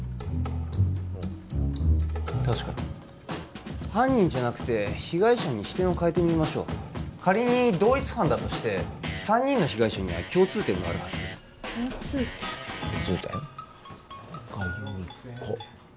うん確かに犯人じゃなくて被害者に視点を変えてみましょう仮に同一犯だとして三人の被害者には共通点があるはずです共通点共通点？